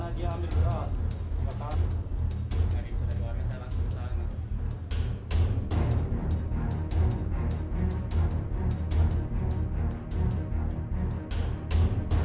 di sana dia ambil beras lima